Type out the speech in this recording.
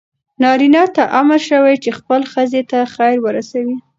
نارینه ته امر شوی چې خپلې ښځې ته خیر ورسوي.